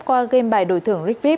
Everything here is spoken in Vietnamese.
qua gây bảy đổi thường ricvip